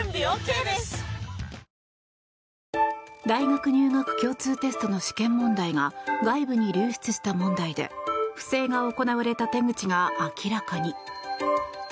大学入学共通テストの試験問題が外部に流出した問題で不正が行われた手口が明らかに。